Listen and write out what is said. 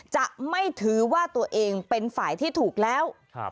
จะไม่ถือว่าตัวเองเป็นฝ่ายที่ถูกแล้ว